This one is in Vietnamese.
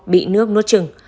bị nước nuốt trừng